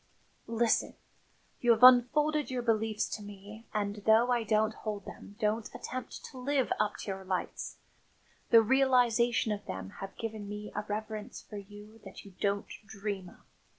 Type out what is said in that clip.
"Listen. You have unfolded your beliefs to me and, though I don't hold them don't attempt to live up to your lights the realisation of them has given me a reverence for you that you don't dream of.